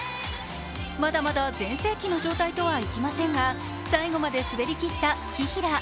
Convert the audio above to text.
まだまだ全盛期の状態とはいきませんが最後まで滑り切った紀平。